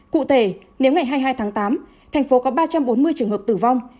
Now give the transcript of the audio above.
cụ thể nếu ngày hai mươi hai tháng tám thành phố có ba trăm bốn mươi trường hợp tử vong